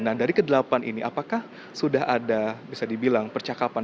nah dari kedelapan ini apakah sudah ada bisa dibilang percakapan